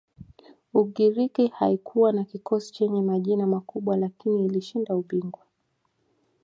ugiriki haikuwa na kikosi chenye majina makubwa lakini ilishinda ubingwa